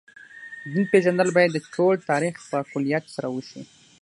دین پېژندل باید د ټول تاریخ په کُلیت سره وشي.